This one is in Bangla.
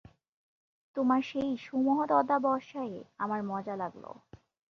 তোমার সেই সুমহৎ অধ্যবসায়ে আমার মজা লাগল।